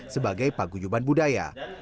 sebagai pagujuban budaya